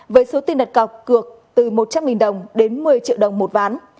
với số tiền đặt cọc cược từ một trăm linh đồng đến một mươi triệu đồng một ván